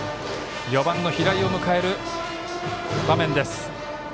４番の平井を迎える場面です。